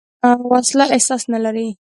وسله احساس نه لري